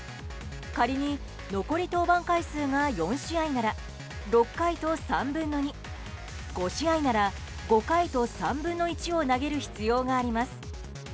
仮に、残り登板回数が４試合なら６回と３分の２５試合なら５回と３分の１を投げる必要があります。